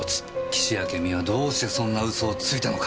岸あけみはどうしてそんな嘘をついたのか。